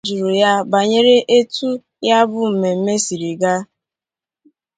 N'ajụjụ a jụrụ ya bànyere etu ya bụ mmemme siri gaa